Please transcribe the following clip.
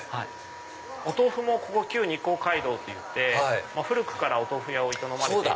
お豆腐もここ旧日光街道っていって古くからお豆腐屋を営まれてる。